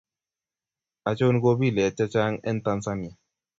Achon kabilet che chang en Tanzania